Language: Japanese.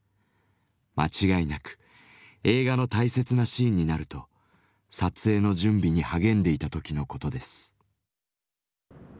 間違いなく映画の大切なシーンになると撮影の準備に励んでいた時のことです。